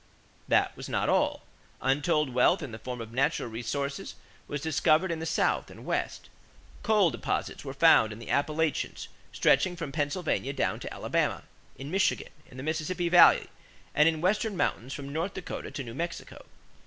That was not all. Untold wealth in the form of natural resources was discovered in the South and West. Coal deposits were found in the Appalachians stretching from Pennsylvania down to Alabama, in Michigan, in the Mississippi Valley, and in the Western mountains from North Dakota to New Mexico.